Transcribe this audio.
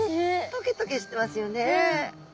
トゲトゲしてますよね！